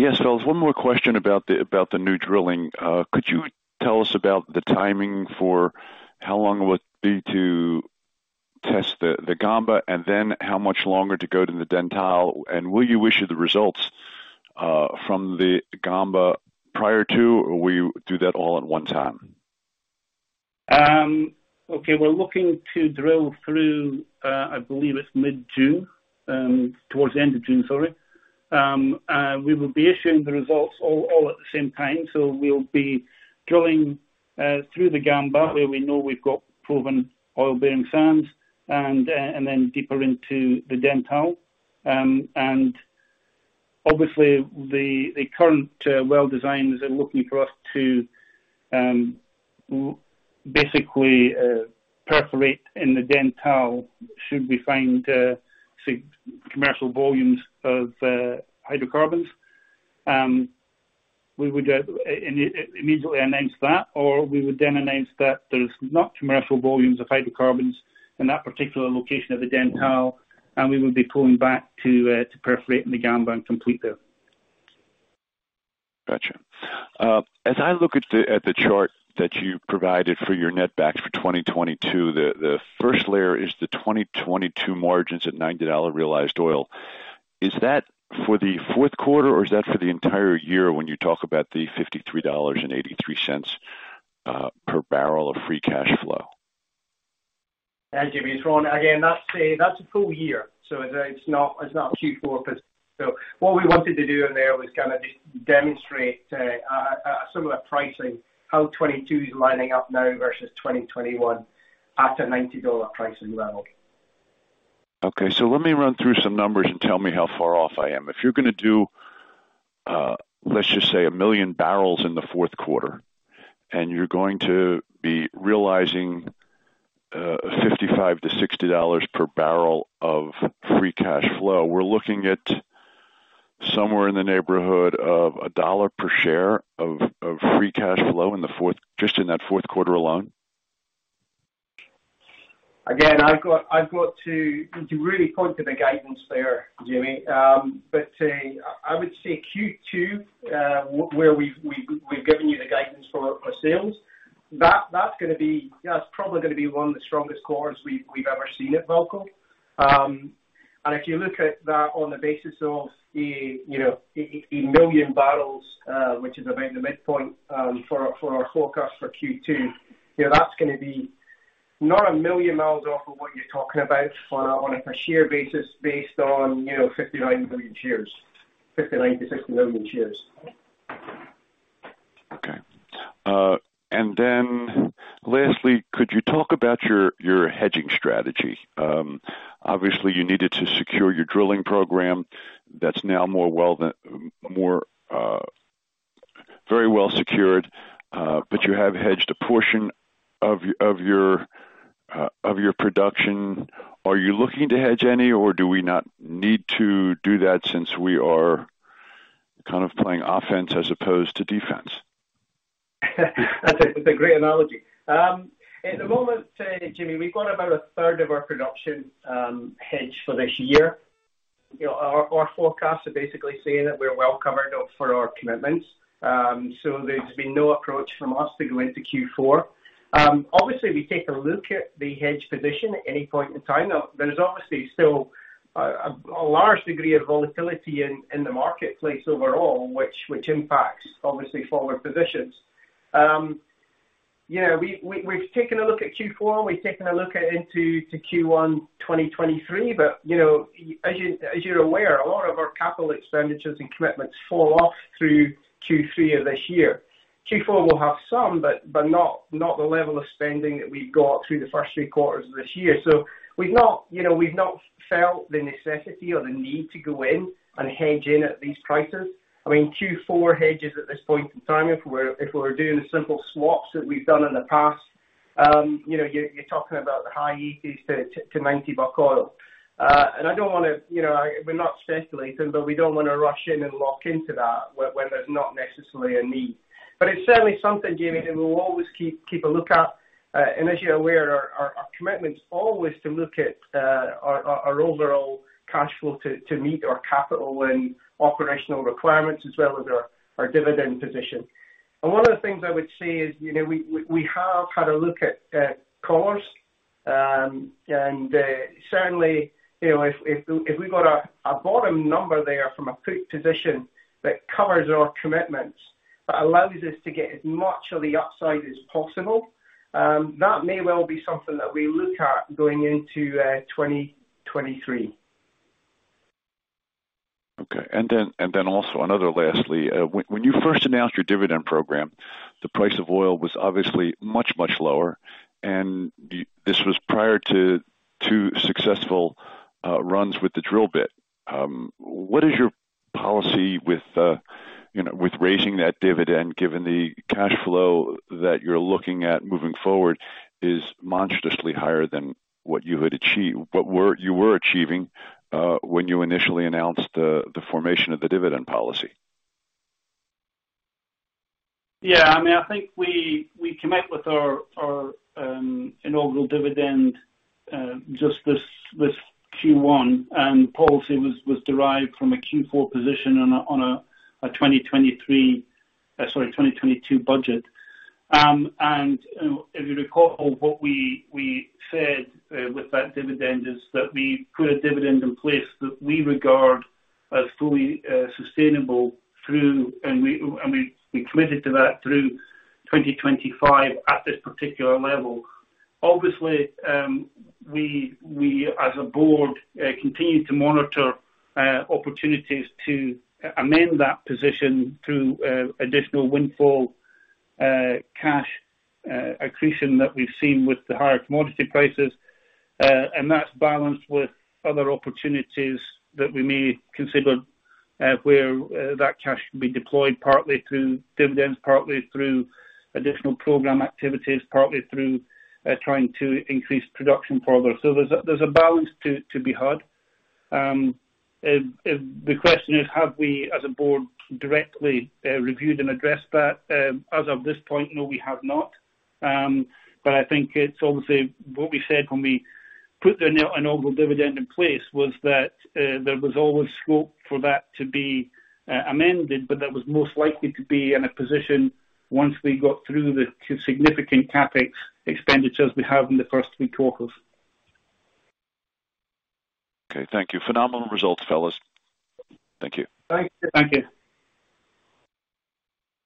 Yes, one more question about the new drilling. Could you tell us about the timing for how long will it be to test the Gamba, and then how much longer to go to the Dentale, and will you issue the results from the Gamba prior to, or will you do that all at one time? Okay. We're looking to drill through, I believe it's mid-June, towards the end of June, sorry. We will be issuing the results all at the same time, so we'll be drilling through the Gamba where we know we've got proven oil-bearing sands and then deeper into the Dentale. Obviously, the current well designs are looking for us to basically perforate in the Dentale should we find commercial volumes of hydrocarbons. We would immediately announce that, or we would then announce that there's not commercial volumes of hydrocarbons in that particular location of the Dentale, and we would be pulling back to perforate in the Gamba and complete there. Gotcha. As I look at the chart that you provided for your net backs for 2022, the first layer is the 2022 margins at $90 realized oil. Is that for the fourth quarter, or is that for the entire year when you talk about the $53.83/bbl of free cash flow? Yeah, Jamie, it's Ron. Again, that's a full year. It's not Q4. What we wanted to do there was kind of just demonstrate some of that pricing, how 2022 is lining up now versus 2021 at a $90 pricing level. Okay. Let me run through some numbers and tell me how far off I am. If you're gonna do, let's just say a million bbl in the fourth quarter, and you're going to be realizing $55-$60/bbl of free cash flow. We're looking at somewhere in the neighborhood of $1/share of free cash flow in the fourth quarter. Just in that fourth quarter alone? Again, I've got to really point to the guidance there, Jamie. I would say Q2, where we've given you the guidance for sales, that's gonna be one of the strongest quarters we've ever seen at VAALCO. If you look at that on the basis of, you know, a million barrels, which is around the midpoint for our forecast for Q2, you know, that's gonna be not a million miles off of what you're talking about on a per share basis based on, you know, 59 million shares. 59 million-60 million shares. Okay. Lastly, could you talk about your hedging strategy? Obviously you needed to secure your drilling program that's now very well secured, but you have hedged a portion of your production. Are you looking to hedge any or do we not need to do that since we are kind of playing offense as opposed to defense? That's a great analogy. At the moment, Jamie, we've got about a third of our production hedged for this year. You know, our forecasts are basically saying that we're well covered up for our commitments. There's been no approach from us to go into Q4. Obviously, we take a look at the hedged position at any point in time. There's obviously still a large degree of volatility in the marketplace overall which impacts obviously forward positions. You know, we've taken a look at Q4, we've taken a look into Q1 2023. You know, as you're aware, a lot of our capital expenditures and commitments fall off through Q3 of this year. Q4 will have some, but not the level of spending that we've got through the first three quarters of this year. We've not felt the necessity or the need to go in and hedge in at these prices. I mean, Q4 hedges at this point in time, if we were doing the simple swaps that we've done in the past. You're talking about the high 80s to 90 buck oil. I don't wanna, we're not speculating, but we don't wanna rush in and lock into that when there's not necessarily a need. It's certainly something, Jamie, that we'll always keep a look at. As you're aware, our commitment's always to look at our overall cash flow to meet our capital and operational requirements as well as our dividend position. One of the things I would say is, you know, we have had a look at collars, and certainly, you know, if we've got a bottom number there from a put position that covers our commitments, that allows us to get as much of the upside as possible, that may well be something that we look at going into 2023. Okay. Also lastly, when you first announced your dividend program, the price of oil was obviously much lower, and this was prior to two successful runs with the drill bit. What is your policy with raising that dividend, you know, given the cash flow that you're looking at moving forward is monstrously higher than what you were achieving when you initially announced the formation of the dividend policy? Yeah. I mean, I think we commit with our inaugural dividend just this Q1. Policy was derived from a Q4 position on a 2022 budget. If you recall what we said with that dividend is that we put a dividend in place that we regard as fully sustainable through, and we committed to that through 2025 at this particular level. Obviously, we as a board continue to monitor opportunities to amend that position through additional windfall cash accretion that we've seen with the higher commodity prices. That's balanced with other opportunities that we may consider, where that cash can be deployed partly through dividends, partly through additional program activities, partly through trying to increase production further. There's a balance to be had. The question is, have we as a board directly reviewed and addressed that? As of this point, no, we have not. I think it's obviously what we said when we put the inaugural dividend in place was that there was always scope for that to be amended, but that was most likely to be in a position once we got through the significant CapEx expenditures we have in the first three quarters. Okay. Thank you. Phenomenal results, fellas. Thank you. Thank you.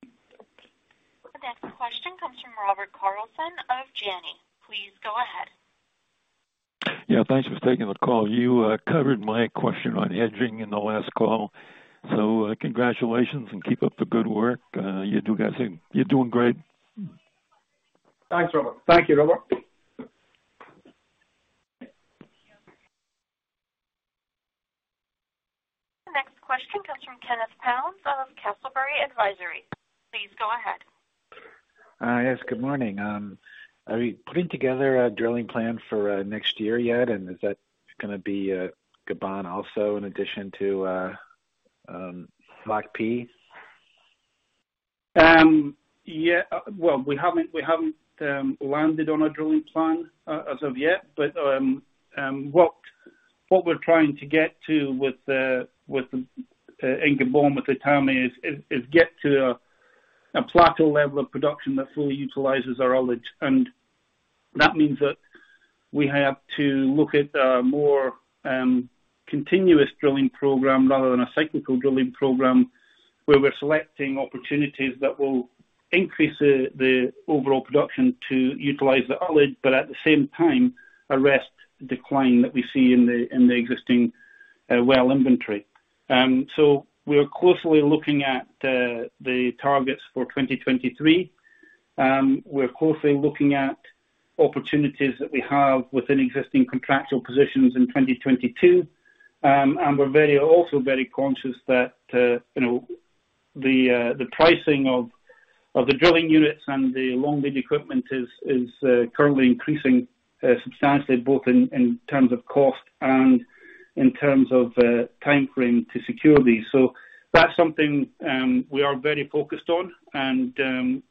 The next question comes from Robert Carlson of Janney Montgomery Scott. Please go ahead. Yeah, thanks for taking the call. You covered my question on hedging in the last call, so congratulations and keep up the good work. You do got it. You're doing great. Thanks, Robert. Thank you, Robert. The next question comes from Kenneth Pounds of Castlebury Advisory. Please go ahead. Yes, good morning. Are you putting together a drilling plan for next year yet? Is that gonna be Gabon also in addition to Block P? Well, we haven't landed on a drilling plan as of yet, but what we're trying to get to in Gabon with Etame is to get to a plateau level of production that fully utilizes our ullage. That means that we have to look at a more continuous drilling program rather than a cyclical drilling program, where we're selecting opportunities that will increase the overall production to utilize the ullage but at the same time arrest decline that we see in the existing well inventory. We are closely looking at the targets for 2023. We're closely looking at opportunities that we have within existing contractual positions in 2022. We're very also very conscious that you know the pricing of the drilling units and the long lead equipment is currently increasing substantially both in terms of cost and in terms of timeframe to secure these. That's something we are very focused on. You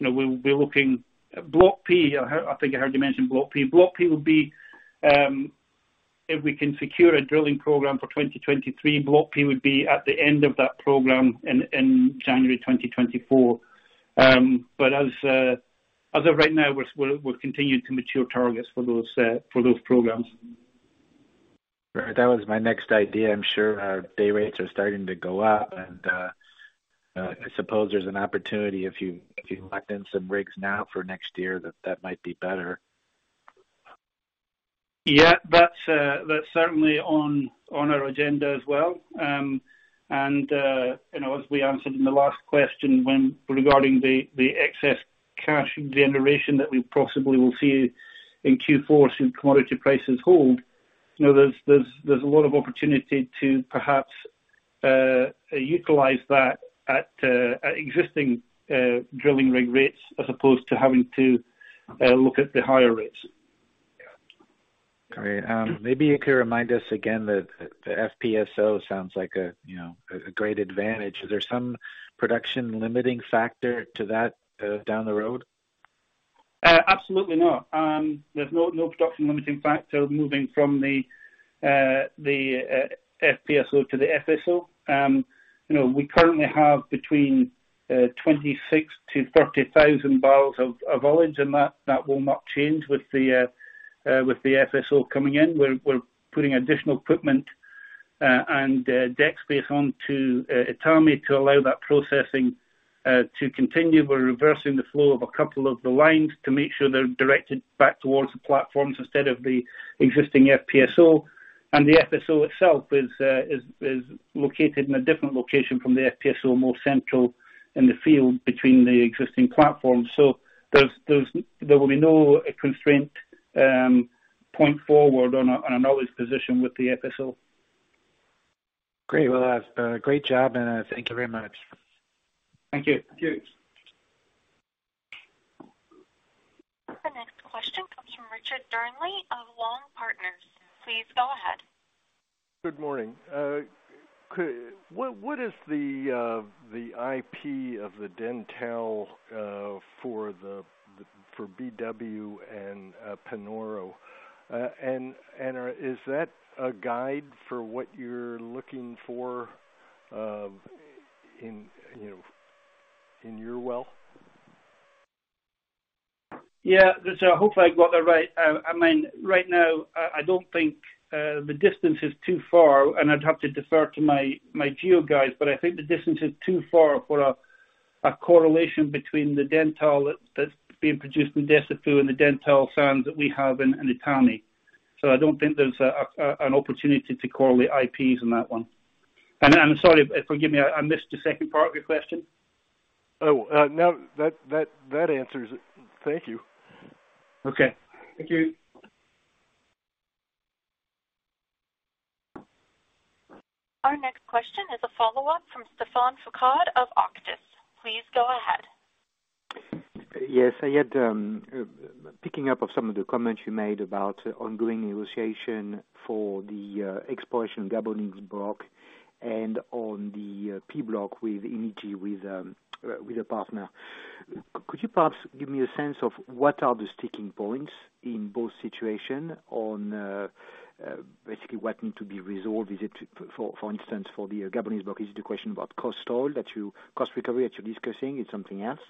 know, we're looking at Block P. I heard, I think I heard you mention Block P. Block P will be, if we can secure a drilling program for 2023, Block P would be at the end of that program in January 2024. As of right now, we're continuing to mature targets for those programs. Right. That was my next idea. I'm sure our day rates are starting to go up and, I suppose there's an opportunity if you lock in some rigs now for next year that might be better? Yeah. That's certainly on our agenda as well. You know, as we answered in the last question when regarding the excess cash generation that we possibly will see in Q4 if commodity prices hold, you know, there's a lot of opportunity to perhaps utilize that at existing drilling rig rates, as opposed to having to look at the higher rates. Great. Maybe you could remind us again, the FPSO sounds like a, you know, a great advantage. Is there some production limiting factor to that down the road? Absolutely not. There's no production limiting factor moving from the FPSO to the FSO. You know, we currently have between 26,000 bbl-30,000 bbl of oil, and that will not change with the FSO coming in. We're putting additional equipment and deck space onto Etame to allow that processing to continue. We're reversing the flow of a couple of the lines to make sure they're directed back towards the platforms instead of the existing FPSO. The FSO itself is located in a different location from the FPSO, more central in the field between the existing platforms. There will be no constraint going forward on an oil production with the FSO. Great. Well, great job, and thank you very much. Thank you. Thank you. The next question comes from Richard Dearnley of Longport Partners. Please go ahead. Good morning. What is the IP of the Dentale for BW and Panoro? Is that a guide for what you're looking for in you know in your well? Yeah. Hopefully I've got that right. I mean, right now, I don't think the distance is too far, and I'd have to defer to my geo guys. I think the distance is too far for a correlation between the Dentale that's being produced in Dussafu and the Dentale sands that we have in Etame. I don't think there's an opportunity to correlate IPs on that one. Sorry, forgive me, I missed the second part of your question. Oh, no. That answers it. Thank you. Okay. Thank you. Our next question is a follow-up from Stephane Foucaud of Auctus Advisors. Please go ahead. Yes, picking up on some of the comments you made about ongoing negotiation for the exploration Gabonese block and on the Block P in Equatorial Guinea with a partner. Could you perhaps give me a sense of what are the sticking points in both situations, or basically what need to be resolved? For instance, for the Gabonese block, is it a question about cost recovery that you're discussing? It's something else?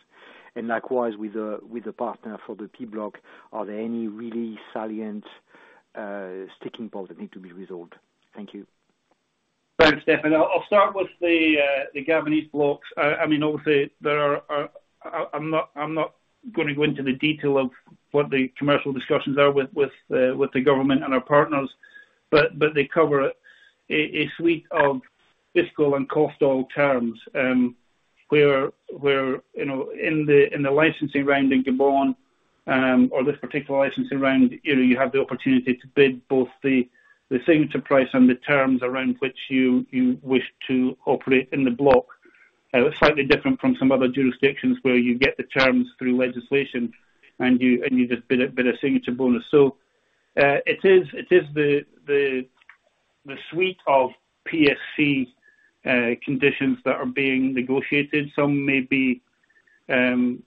And likewise, with a partner for the Block P, are there any really salient sticking points that need to be resolved? Thank you. Thanks, Stephane. I'll start with the Gabonese blocks. I mean, obviously I'm not gonna go into the detail of what the commercial discussions are with the government and our partners. But they cover a suite of fiscal and cost oil terms, where, you know, in the licensing round in Gabon, or this particular licensing round, you know, you have the opportunity to bid both the signature price and the terms around which you wish to operate in the block. Slightly different from some other jurisdictions where you get the terms through legislation and you just bid a signature bonus. It is the suite of PSC conditions that are being negotiated. Some may be,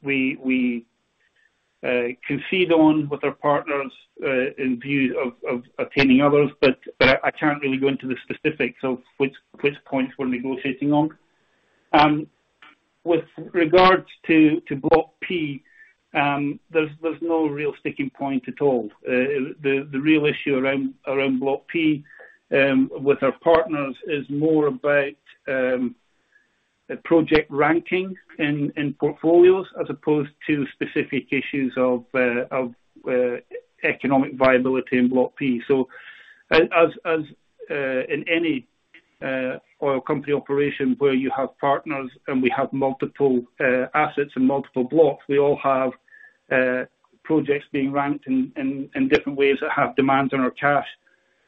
we concede on with our partners in view of attaining others. But I can't really go into the specifics of which points we're negotiating on. With regards to Block P, there's no real sticking point at all. The real issue around Block P with our partners is more about project ranking in portfolios as opposed to specific issues of economic viability in Block P. In any oil company operation where you have partners and we have multiple assets and multiple blocks, we all have projects being ranked in different ways that have demands on our cash.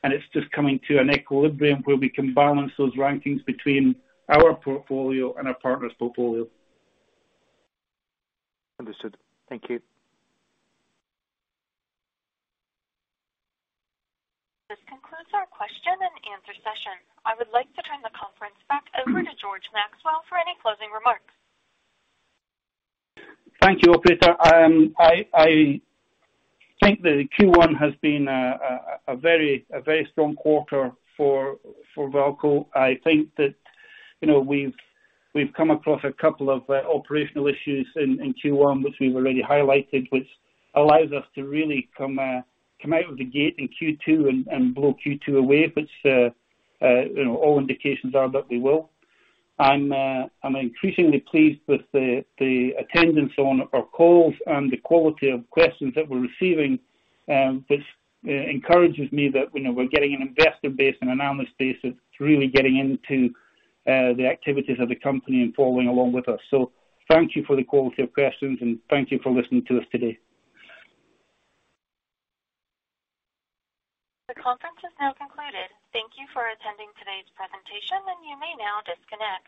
It's just coming to an equilibrium where we can balance those rankings between our portfolio and our partner's portfolio. Understood. Thank you. This concludes our question and answer session. I would like to turn the conference back over to George Maxwell for any closing remarks. Thank you, operator. I think the Q1 has been a very strong quarter for VAALCO. I think that, you know, we've come across a couple of operational issues in Q1, which we've already highlighted, which allows us to really come out of the gate in Q2 and blow Q2 away, which, you know, all indications are that we will. I'm increasingly pleased with the attendance on our calls and the quality of questions that we're receiving, which encourages me that, you know, we're getting an investor base and analyst base that's really getting into the activities of the company and following along with us. Thank you for the quality of questions, and thank you for listening to us today. The conference is now concluded. Thank you for attending today's presentation, and you may now disconnect.